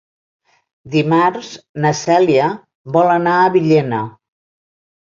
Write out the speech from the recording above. Dimarts na Cèlia vol anar a Villena.